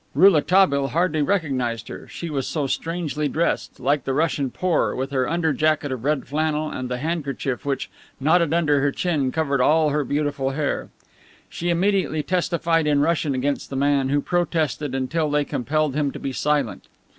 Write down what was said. Rouletabille hardly recognized her, she was so strangely dressed, like the Russian poor, with her under jacket of red flannel and the handkerchief which, knotted under her chin, covered all her beautiful hair. She immediately testified in Russian against the man, who protested until they compelled him to be silent.